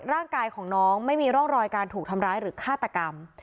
ร่างกายของน้องไม่มีร่องรอยการถูกทำร้ายหรือฆาตกรรม